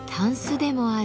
でもある